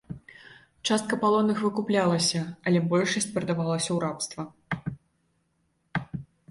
Частка палонных выкуплялася, але большасць прадавалася ў рабства.